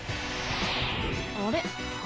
あれ？